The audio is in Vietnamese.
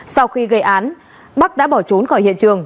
sau khi gây án bắc đã bỏ trốn khỏi hiện trường